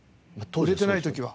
売れてない時は。